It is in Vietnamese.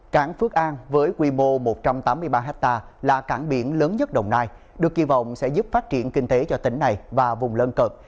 cảng phước an với quy mô một trăm tám mươi ba ha là cảng biển lớn nhất đồng nai được kỳ vọng sẽ giúp phát triển kinh tế cho tỉnh này và vùng lân cận